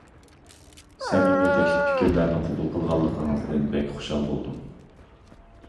سەمىمىي تەكلىپ-پىكىرلەرنى قوبۇل قىلغانلىقىڭىزدىن بەك خۇشال بولدۇم.